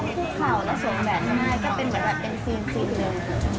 ก็เป็นเหมือนแบบเป็นซีนซีนเลย